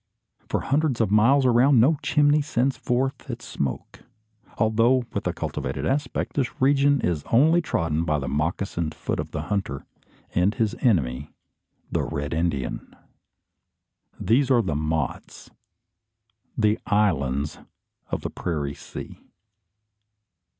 For hundreds of miles around no chimney sends forth its smoke. Although with a cultivated aspect, this region is only trodden by the moccasined foot of the hunter, and his enemy, the Red Indian. These are the mottes the "islands" of the prairie sea.